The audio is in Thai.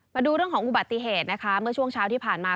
มาดูเรื่องของอุบัติเหตุนะคะเมื่อช่วงเช้าที่ผ่านมา